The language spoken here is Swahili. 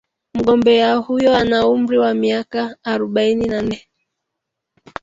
Mgombea huyo ana umri wa miaka arubaini na nne